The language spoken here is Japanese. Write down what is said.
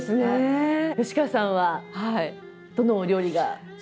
吉川さんはどのお料理が？